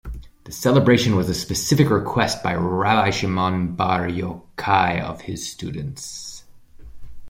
This celebration was a specific request by Rabbi Shimon bar Yochai of his students.